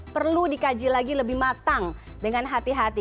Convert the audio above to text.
perlu dikaji lagi lebih matang dengan hati hati